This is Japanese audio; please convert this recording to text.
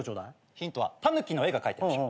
ヒントはタヌキの絵が描いてあるでしょ。